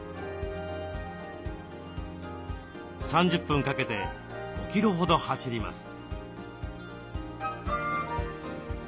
３０分かけて５キロほど走ります。